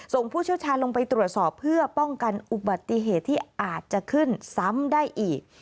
ผู้เชี่ยวชาญลงไปตรวจสอบเพื่อป้องกันอุบัติเหตุที่อาจจะขึ้นซ้ำได้อีก